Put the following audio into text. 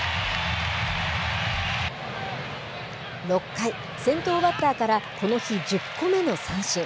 ６回、先頭バッターからこの日１０個目の三振。